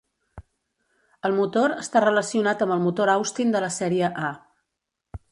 El motor està relacionat amb el motor Austin de la sèrie A.